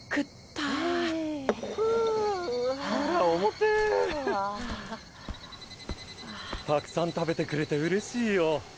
たくさん食べてくれて嬉しいよ。